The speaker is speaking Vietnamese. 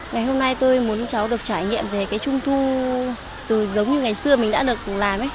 ngày hôm nay tôi muốn cháu được trải nghiệm về cái trung thu từ giống như ngày xưa mình đã được làm